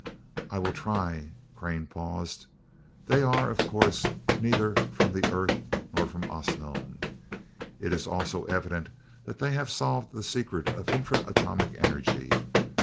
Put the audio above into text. "I will try it." Crane paused. "They are, of course, neither from the Earth nor from Osnome. It is also evident that they have solved the secret of intra atomic energy.